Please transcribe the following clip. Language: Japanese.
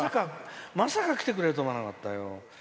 まさか来てくれると思わなかったよ。